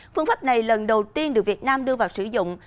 phương pháp này lần đầu tiên được việt nam đưa vào sử dụng